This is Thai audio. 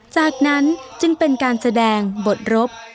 จากนั้นจึงเป็นการแสดงบทรบ